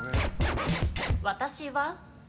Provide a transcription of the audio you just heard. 私は。